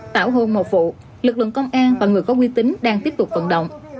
tảo hôn một vụ lực lượng công an và người có quy tính đang tiếp tục vận động